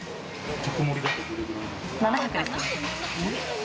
７００ですね。